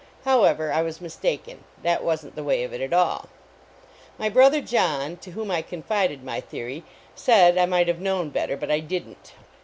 However, I was mistaken; that wasn t the way of it at all. My brother John, to whom I confided my theory, said I might have known better, but I didn t.